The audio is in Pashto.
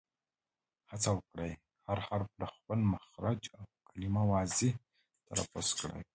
هڅه وکړئ، هر حرف له خپل مخرج او کلیمه واضیح تلفظ کړئ!